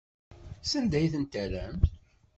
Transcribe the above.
Sanda ay ten-terramt?